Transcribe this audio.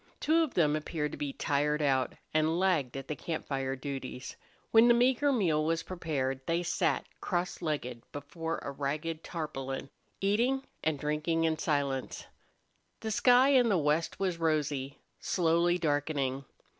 Two of them appeared to be tired out, and lagged at the camp fire duties. When the meager meal was prepared they sat, cross legged, before a ragged tarpaulin, eating and drinking in silence. The sky in the west was rosy, slowly darkening.